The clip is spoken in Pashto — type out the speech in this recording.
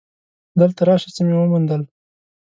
دلته راشه څه مې وموندل.